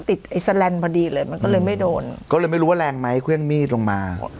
ไอ้แสลนด์พอดีเลยมันก็เลยไม่โดนก็เลยไม่รู้ว่าแรงไหมเครื่องมีดลงมา